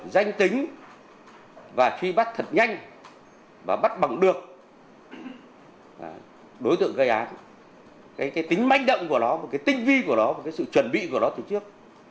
danh tính và truy bắt thật nhanh và bắt bằng được đối tượng gây án cái tính manh động của nó và cái tinh vi của nó và cái sự chuẩn bị của nó từ trước